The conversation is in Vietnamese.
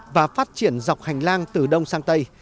và phát triển dọc hành lang từ đông sang tây